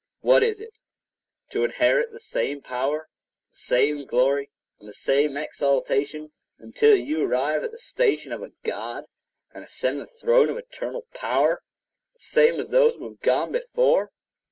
What is it? To inherit the same power, the same glory and the same exaltation, until you arrive at the station of a God, and ascend the throne of eternal power, the same as those who have gone before.